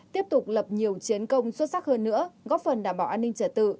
tiếp tục lập nhiều chiến công xuất sắc hơn nữa góp phần đảm bảo an ninh trả tự